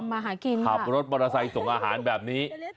ทำอาหารกินขับรถปลาลาไซส์ส่งอาหารแบบนี้